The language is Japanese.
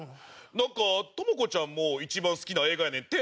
なんかトモコちゃんも一番好きな映画やねんて。